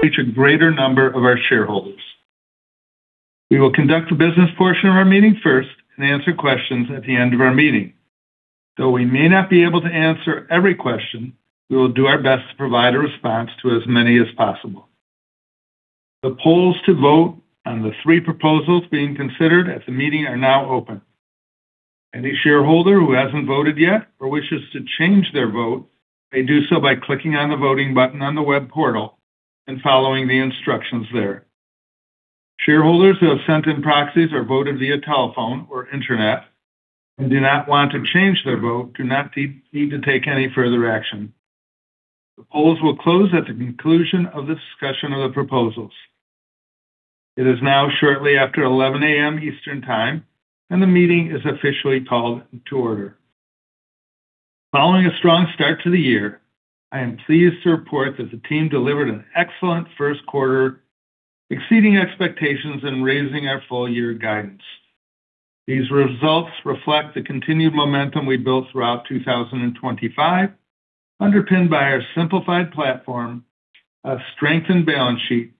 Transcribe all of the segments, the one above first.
Reach a greater number of our shareholders. We will conduct the business portion of our meeting first and answer questions at the end of our meeting. Though we may not be able to answer every question, we will do our best to provide a response to as many as possible. The polls to vote on the three proposals being considered at the meeting are now open. Any shareholder who hasn't voted yet or wishes to change their vote, may do so by clicking on the voting button on the web portal and following the instructions there. Shareholders who have sent in proxies or voted via telephone or internet and do not need to take any further action. The polls will close at the conclusion of the discussion of the proposals. It is now shortly after 11:00AM. Eastern Time, the meeting is officially called to order. Following a strong start to the year, I am pleased to report that the team delivered an excellent Q1, exceeding expectations and raising our full year guidance. These results reflect the continued momentum we built throughout 2025, underpinned by our simplified platform, our strengthened balance sheet,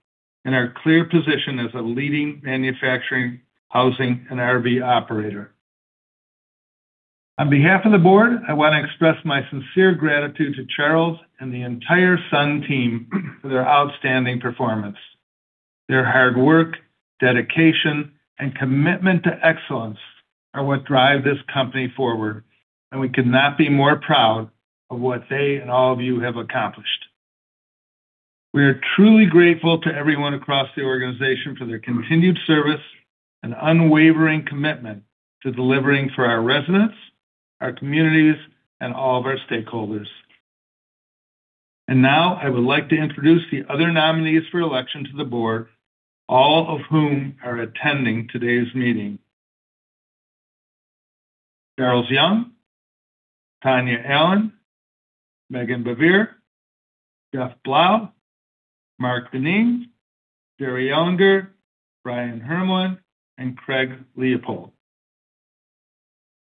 and our clear position as a leading manufactured housing and RV operator. On behalf of the board, I want to express my sincere gratitude to Charles and the entire Sun team for their outstanding performance. Their hard work, dedication, and commitment to excellence are what drive this company forward, we could not be more proud of what they and all of you have accomplished. We are truly grateful to everyone across the organization for their continued service and unwavering commitment to delivering for our residents, our communities, and all of our stakeholders. I would like to introduce the other nominees for election to the board, all of whom are attending today's meeting. Charles Young, Tonya Allen, Meghan Baivier, Jeff Blau, Mark Dineen, Jerry Ehlinger, Brian Hermelin, and Craig Leupold.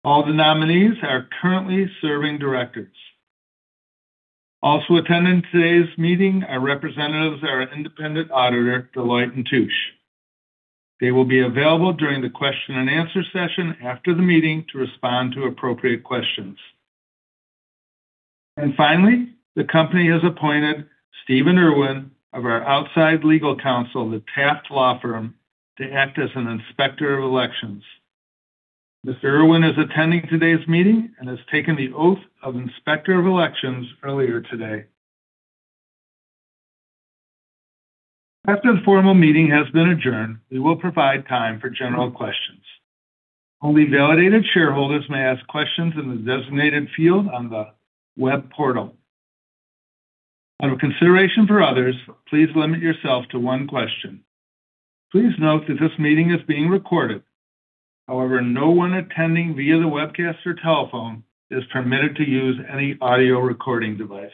All the nominees are currently serving directors. Also attending today's meeting are representatives of our independent auditor, Deloitte & Touche. They will be available during the question and answer session after the meeting to respond to appropriate questions. The company has appointed Stephen Irwin of our outside legal counsel, the Taft Law Firm, to act as an Inspector of Elections. Mr. Irwin is attending today's meeting and has taken the oath of Inspector of Elections earlier today. After the formal meeting has been adjourned, we will provide time for general questions. Only validated shareholders may ask questions in the designated field on the web portal. Out of consideration for others, please limit yourself to one question. Please note that this meeting is being recorded. No one attending via the webcast or telephone is permitted to use any audio recording device.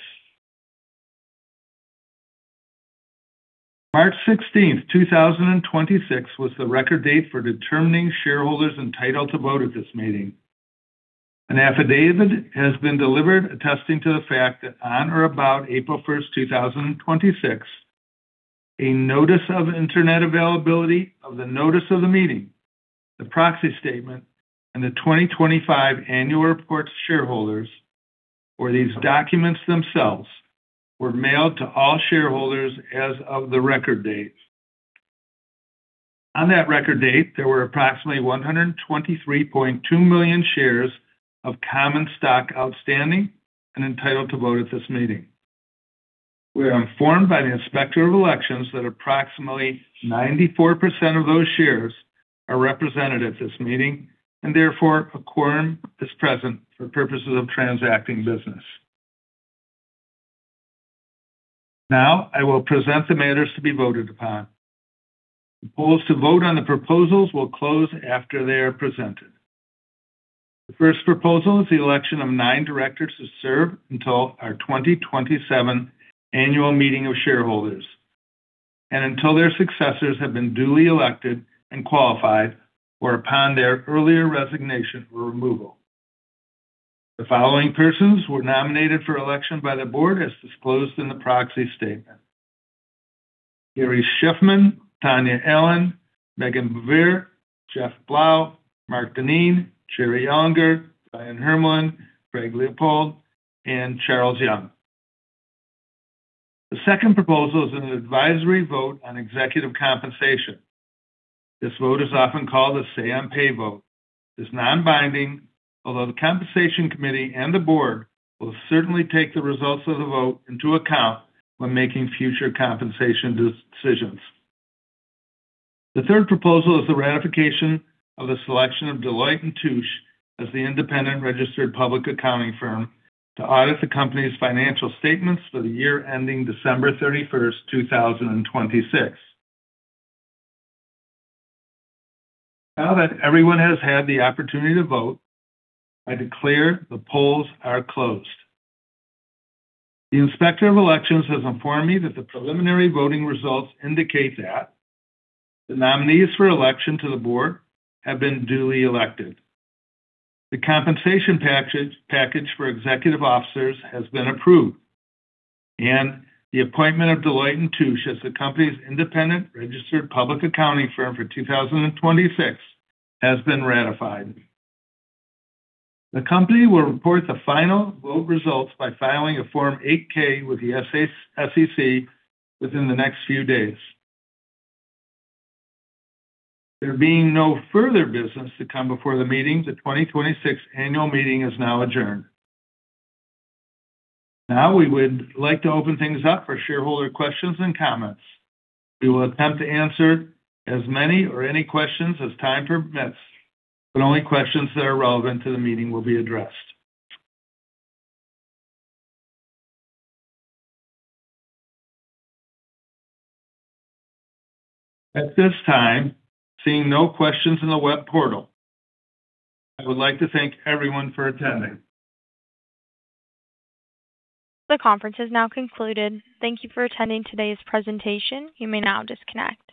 16 March 2026 was the record date for determining shareholders entitled to vote at this meeting. An affidavit has been delivered attesting to the fact that on or about 1 April 2026, a notice of internet availability of the notice of the meeting, the proxy statement, and the 2025 annual report to shareholders or these documents themselves were mailed to all shareholders as of the record date. On that record date, there were approximately 123.2 million shares of common stock outstanding and entitled to vote at this meeting. We are informed by the inspector of elections that approximately 94% of those shares are represented at this meeting and therefore a quorum is present for purposes of transacting business. I will present the matters to be voted upon. The polls to vote on the proposals will close after they are presented. The first proposal is the election of nine directors to serve until our 2027 annual meeting of shareholders and until their successors have been duly elected and qualified or upon their earlier resignation or removal. The following persons were nominated for election by the board as disclosed in the proxy statement. Gary Shiffman, Tonya Allen, Meghan Baivier, Jeff Blau, Mark Dineen, Jerry Ehlinger, Brian Hermelin, Craig Leupold, and Charles Young. The second proposal is an advisory vote on executive compensation. This vote is often called a say on pay vote. It is non-binding, although the compensation committee and the board will certainly take the results of the vote into account when making future compensation decisions. The third proposal is the ratification of the selection of Deloitte & Touche as the independent registered public accounting firm to audit the company's financial statements for the year ending 31 December 2026. Now that everyone has had the opportunity to vote, I declare the polls are closed. The inspector of elections has informed me that the preliminary voting results indicate that the nominees for election to the board have been duly elected. The compensation package for executive officers has been approved. The appointment of Deloitte & Touche as the company's independent registered public accounting firm for 2026 has been ratified. The company will report the final vote results by filing a Form 8-K with the SEC within the next few days. There being no further business to come before the meeting, the 2026 annual meeting is now adjourned. We would like to open things up for shareholder questions and comments. We will attempt to answer as many or any questions as time permits, but only questions that are relevant to the meeting will be addressed. At this time, seeing no questions in the web portal, I would like to thank everyone for attending. The conference has now concluded. Thank you for attending today's presentation. You may now disconnect.